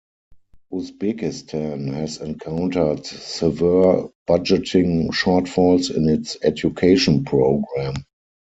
Uzbekistan has encountered severe budgeting shortfalls in its education program.